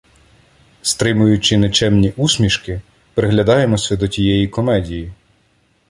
Стримуючи нечемні усмішки, приглядаємося до тієї комедії.